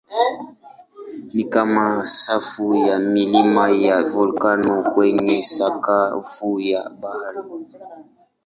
Ni kama safu ya milima ya volkeno kwenye sakafu ya bahari.